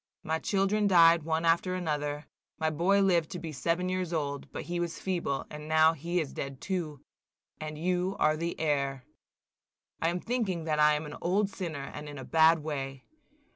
My children died one after another; my boy lived to be seven years old, but he was feeble, and now he is dead too, and you are the heir. I am thinking that I am an old sinner, and in a bad way.